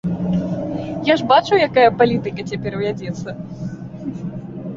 Я ж бачу, якая палітыка цяпер вядзецца.